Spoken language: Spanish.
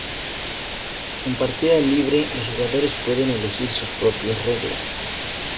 En partida libre, los jugadores pueden elegir sus propias reglas.